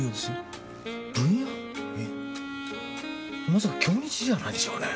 まさか京日じゃないでしょうね！？